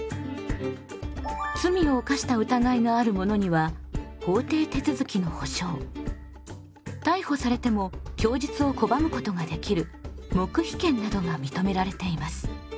罪を犯した疑いがある者には法定手続きの保障逮捕されても供述を拒むことができる黙秘権などが認められています。